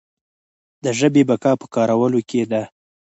د ژبې بقا په کارولو کې ده.